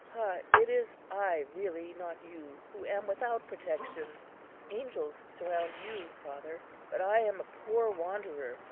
Ah! it is I really, not you, who am without protection. Angels surround you, father; but I am a poor wanderer.